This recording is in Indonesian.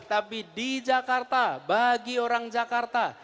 tapi di jakarta bagi orang jakarta